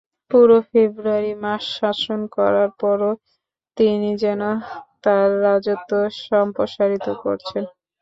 পুরো ফেব্রুয়ারি মাস শাসন করার পরও তিনি যেন তাঁর রাজত্ব সম্প্রসারিত করছেন।